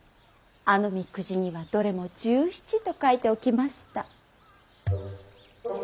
あの御籤にはどれも拾七と書いておきました。